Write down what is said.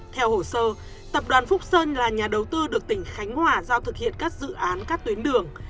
theo hồ sơ tập đoàn phúc sơn là nhà đầu tư được tỉnh khánh hòa giao thực hiện các dự án các tuyến đường